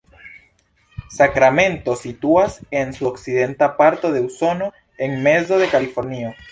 Sakramento situas en sudokcidenta parto de Usono, en mezo de Kalifornio.